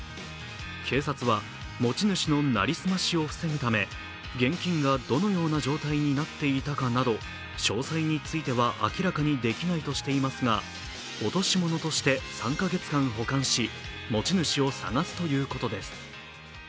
警察は、持ち主の成り済ましを防ぐため現金がどのような状態になっていたかなど詳細については明らかにできないとしていますが落とし物として３か月間保管し、持ち主を捜すということです。